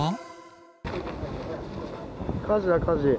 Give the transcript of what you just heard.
火事だ、火事。